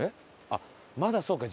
あっまだそうか。